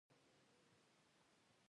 ناڅاپه د دروازې ګړز شو.